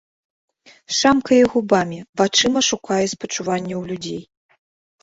Шамкае губамі, вачыма шукае спачування ў людзей.